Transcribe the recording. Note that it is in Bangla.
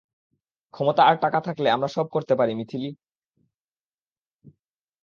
ক্ষমতা আর টাকা থাকলে আমরা সব করতে পারি, মিথিলি।